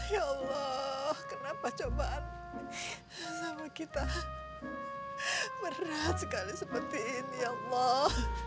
ya allah kenapa cobaan sama kita berat sekali seperti ini ya allah